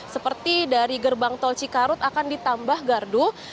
seperti dari gerbang tol cikarut akan ditambah gardu